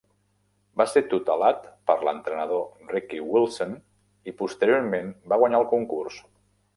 Va ser tutelat per l'entrenador Ricky Wilson i posteriorment va guanyar el concurs.